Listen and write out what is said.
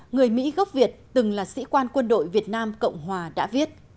người mỹ gốc việt từng là sĩ quan quân đội việt nam cộng hòa đã viết